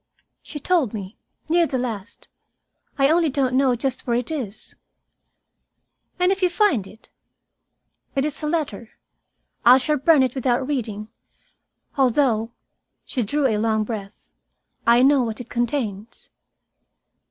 "She told me, near the last. I only don't know just where it is." "And if you find it?" "It is a letter. I shall burn it without reading. Although," she drew a long breath, "I know what it contains."